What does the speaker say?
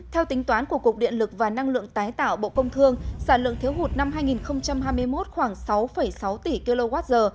theo tính toán của cục điện lực và năng lượng tái tạo bộ công thương sản lượng thiếu hụt năm hai nghìn hai mươi một khoảng sáu sáu tỷ kwh